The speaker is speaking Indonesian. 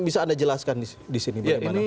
bisa anda jelaskan di sini bagaimana